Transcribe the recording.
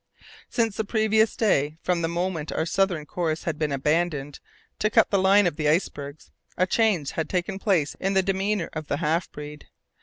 Since the previous day, from the moment our southern course had been abandoned, to cut the line of the icebergs, a change had taken place in the demeanour of the half breed.